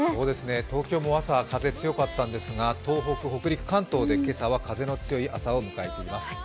東京も朝、風強かったんですが、東北、北陸、関東で今朝は風の強い朝を迎えています。